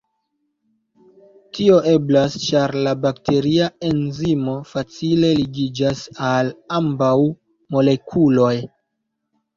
Tio eblas, ĉar la bakteria enzimo facile ligiĝas al ambaŭ molekuloj.